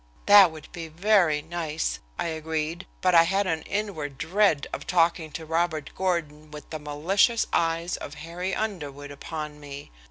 "That would be very nice," I agreed, but I had an inward dread of talking to Robert Gordon with the malicious eyes of Harry Underwood upon me.